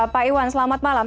pak iwan selamat malam